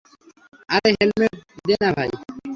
আরে হেলমেট দে না ভাই!